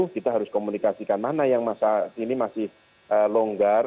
kita harus komunikasikan mana yang masa ini masih longgar